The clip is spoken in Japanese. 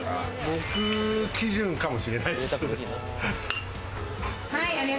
僕基準かもしれないです。